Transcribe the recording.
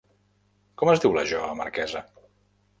Com es diu la jove marquesa?